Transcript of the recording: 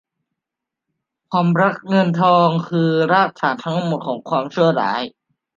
ความรักเงินทองคือรากฐานทั้งหมดของความชั่วร้าย